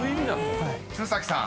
［鶴崎さん］